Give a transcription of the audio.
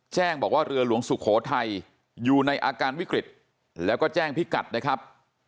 แจ้งบอกว่าเรือหลวงสุโขทัยอยู่ในอาการวิกฤตแล้วก็แจ้งพิกัดนะครับ